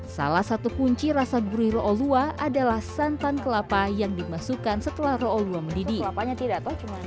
salah satu kunci rasa burih rolua adalah santan kelapa yang dimasukkan setelah rolua mendidih